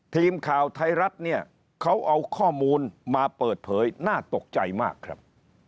ทีมข่าวไทยรัฐเนี่ยเขาเอาข้อมูลมาเปิดเผยน่าตกใจมากครับ